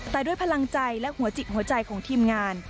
แต่ด้วยพลังใจและหัวจิตหัวใจของทีมงาน